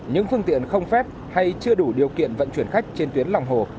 những phương tiện không phép hay chưa đủ điều kiện vận chuyển khách trên tuyến lòng hồ